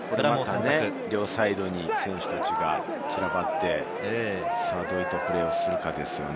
両サイドに選手たちが散らばって、どういったプレーをするかですね。